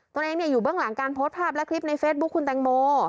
ตัวเองอยู่เบื้องหลังการโพสต์ภาพและคลิปในเฟซบุ๊คคุณแตงโม